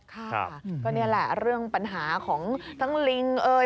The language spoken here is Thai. ค่ะก็นี่แหละเรื่องปัญหาของทั้งลิงเอ่ย